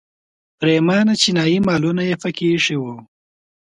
پریمانه چینایي مالونه یې په کې ایښي وو.